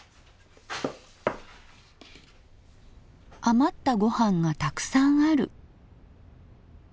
余ったご飯がたくさんある。